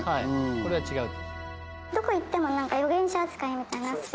これは違うと。